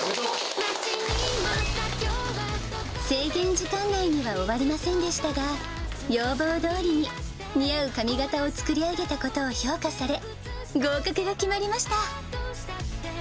制限時間内には終わりませんでしたが、要望通りに似合う髪形を作り上げたことを評価され、合格が決まりました。